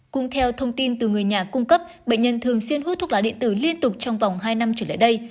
cũng theo thông tin từ người nhà cung cấp bệnh nhân thường xuyên hút thuốc lá điện tử liên tục trong vòng hai năm trở lại đây